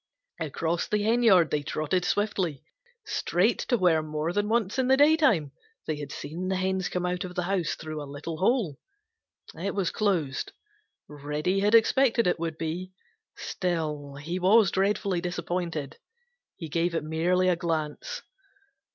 Across the henyard they trotted swiftly, straight to where more than once in the daytime they had seen the hens come out of the house through a little hole. It was closed. Reddy had expected it would be. Still, he was dreadfully disappointed. He gave it merely a glance.